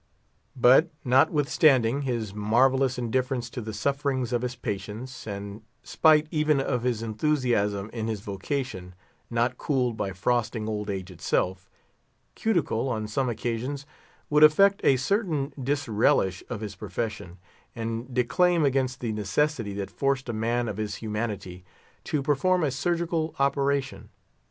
But notwithstanding his marvellous indifference to the sufferings of his patients, and spite even of his enthusiasm in his vocation—not cooled by frosting old age itself—Cuticle, on some occasions, would effect a certain disrelish of his profession, and declaim against the necessity that forced a man of his humanity to perform a surgical operation.